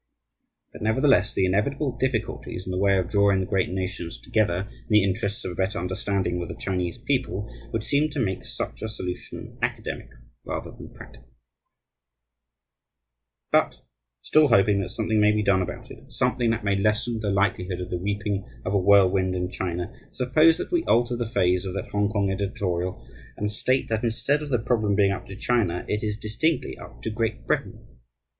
But, nevertheless, the inevitable difficulties in the way of drawing the great nations together in the interests of a better understanding with the Chinese people would seem to make such a solution academic rather than practical. But, still hoping that something may be done about it, something that may lessen the likelihood of the reaping of a whirlwind in China, suppose that we alter the phrase of that Hongkong editorial and state that instead of the problem being up to China, it is distinctly up to Great Britain?